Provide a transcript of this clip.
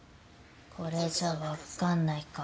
これじゃわかんないか。